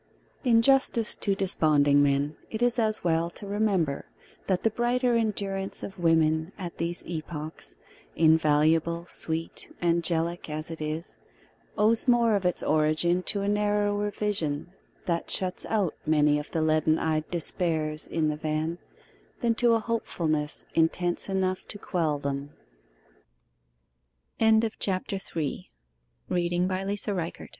In justice to desponding men, it is as well to remember that the brighter endurance of women at these epochs invaluable, sweet, angelic, as it is owes more of its origin to a narrower vision that shuts out many of the leaden eyed despairs in the van, than to a hopefulness intense enough to quell them.